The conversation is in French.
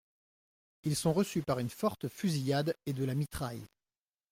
Ils sont reçus par une forte fusillade et de la mitraille.